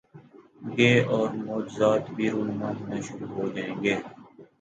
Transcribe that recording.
گے اور معجزات بھی رونما ہونا شرو ع ہو جائیں گے۔